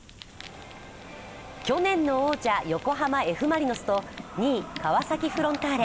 去年の王者、横浜Ｆ・マリノスと２位、川崎フロンターレ。